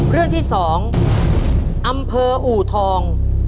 เรื่องที่๒อำเภออูทอง